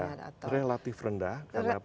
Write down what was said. ya relatif rendah